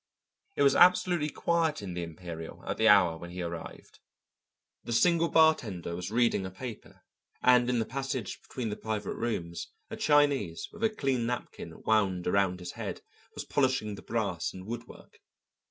It was absolutely quiet in the Imperial at the hour when he arrived. The single bartender was reading a paper, and in the passage between the private rooms a Chinese with a clean napkin wound around his head was polishing the brass and woodwork.